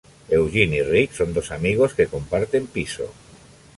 Eugene y Rick son dos amigos que comparten piso.